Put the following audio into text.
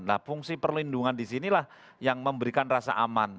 nah fungsi perlindungan di sinilah yang memberikan rasa aman